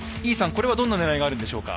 これはどんなねらいがあるんでしょうか？